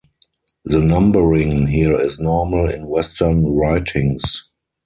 The numbering here is normal in Western writings.